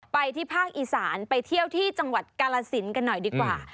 ไปที่ภาคอีสานไปเที่ยวที่จังหวัดกาลสินกันหน่อยดีกว่า